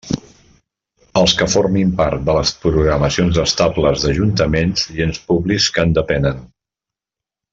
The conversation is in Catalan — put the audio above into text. Els que formin part de les programacions estables d'ajuntaments i ens públics que en depenen.